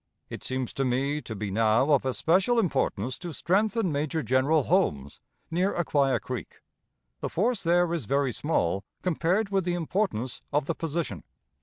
It seems to me to be now of especial importance to strengthen Major General Holmes, near Acquia Creek. The force there is very small, compared with the importance of the position.